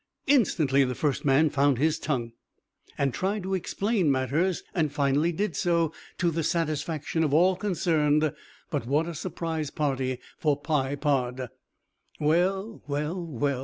Instantly the first man found his tongue and tried to explain matters, and finally did so, to the satisfaction of all concerned. But what a surprise party for Pye Pod! "Well! well!! well!!!"